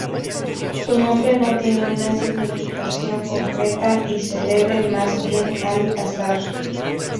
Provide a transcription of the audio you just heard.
Su nombre no tiene una significación concreta y se debe mas bien al azar.